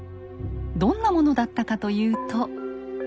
どんなものだったかというと。